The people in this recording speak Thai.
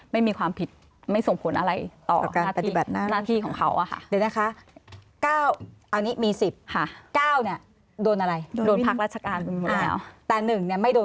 ไม่มีความผิดไม่ส่งผลอะไร